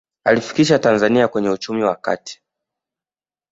aliifikisha tanzania kwenye uchumi wa kati